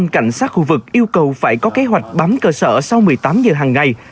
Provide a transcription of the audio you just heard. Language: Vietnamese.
một trăm linh cảnh sát khu vực yêu cầu phải có kế hoạch bám cơ sở sau một mươi tám giờ hàng ngày